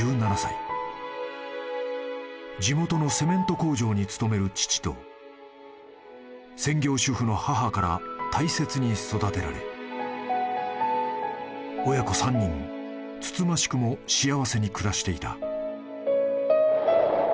［地元のセメント工場に勤める父と専業主婦の母から大切に育てられ親子３人つつましくも幸せに暮らしていた］